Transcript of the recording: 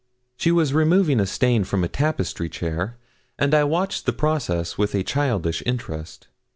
She was removing a stain from a tapestry chair, and I watched the process with a childish interest.